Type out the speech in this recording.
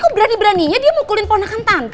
kok berani beraninya dia mukulin pondakan tante